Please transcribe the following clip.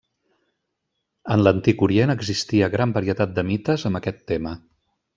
En l'antic Orient existia gran varietat de mites amb aquest tema.